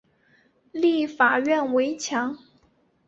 立法院围墙